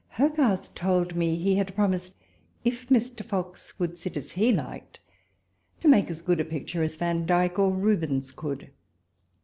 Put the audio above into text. Hogarth told me he had promised, if Mr. Fox would sit as he liked, to make as good a picture as Van dyke or Rubens could.